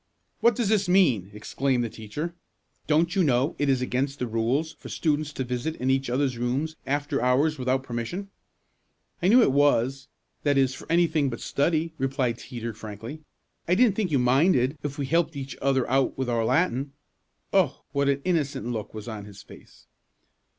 "What does this mean?" exclaimed the teacher. "Don't you know it is against the rules for students to visit in each others' rooms after hours without permission?" "I knew it was that is for anything but study," replied Teeter frankly. "I didn't think you minded if we helped each other with our Latin." Oh! what an innocent look was on his face!